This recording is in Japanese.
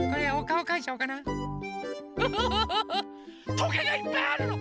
とげがいっぱいあるの！